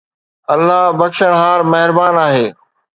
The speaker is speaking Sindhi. الله بخشڻھار مھربان آھي